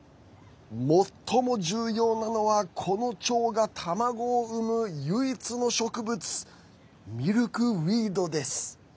最も重要なのは、このチョウが卵を産む唯一の植物ミルクウィードです。